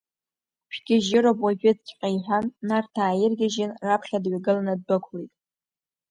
Шәгьежьыроуп уажәыҵәҟьа, — иҳәан, Нарҭаа ааиргьежьын, раԥхьа дҩагыланы ддәықәлеит.